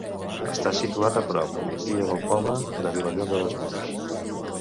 Està situat a prop a migdia del poble de Vilallonga dels Monts.